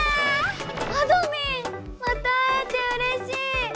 あどミンまた会えてうれしい！